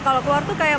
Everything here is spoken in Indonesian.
kalau keluar tuh kayak